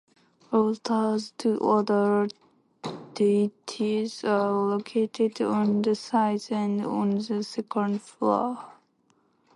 Altars to other deities are located on the sides and on the second floor.